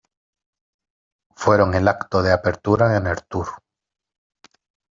Fueron el acto de apertura en el tour.